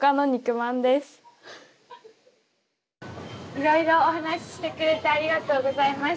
いろいろお話ししてくれてありがとうございました。